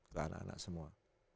ke anak anak semua